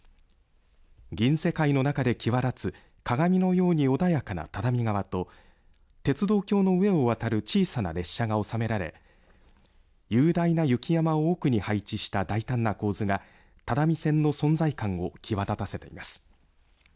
銀世界の中で際立つ鏡のように穏やかな只見川と鉄道橋の上を渡る小さな列車が収められ雄大な雪山を奥に配置した大胆な構図が只見線の存在感を際立たせています。